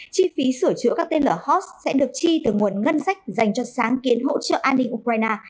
chi phí sửa chữa các tên lửa hot sẽ được chi từ nguồn ngân sách dành cho sáng kiến hỗ trợ an ninh ukraine